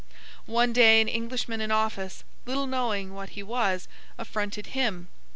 One day, an Englishman in office, little knowing what he was, affronted him.